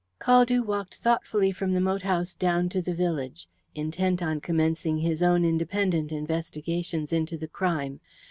Caldew walked thoughtfully from the moat house down to the village, intent on commencing his own independent investigations into the crime.